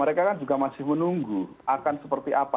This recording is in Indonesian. mereka kan juga masih menunggu akan seperti apa